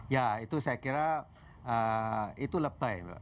ya itu saya kira itu leptai